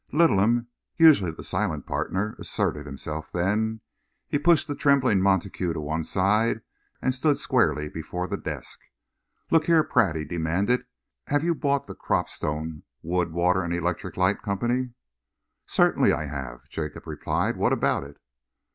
Littleham, usually the silent partner, asserted himself then. He pushed the trembling Montague to one side and stood squarely before the desk. "Look here, Pratt," he demanded, "have you bought the Cropstone Wood, Water and Electric Light Company?" "Certainly I have," Jacob replied. "What about it?"